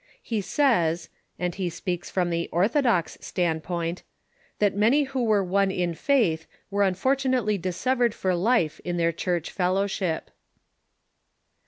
He saj's — and he speaks from the "orthodox" standpoint — that many who were one in faith were unfortunately dissevered for life in their Church fellowship.